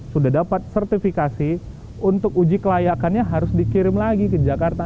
sudah dapat sertifikasi untuk uji kelayakannya harus dikirim lagi ke jakarta